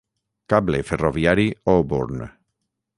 Cable Ferroviari Auburn.